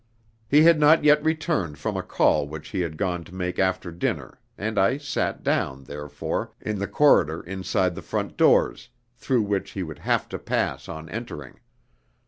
He had not yet returned from a call which he had gone to make after dinner, and I sat down, therefore, in the corridor inside the front doors, through which he would have to pass on entering.